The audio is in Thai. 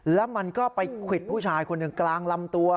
แล้วมันก็ไปควิดผู้ชายคนหนึ่งกลางลำตัว